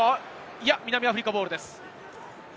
いや、南アフリカボールです。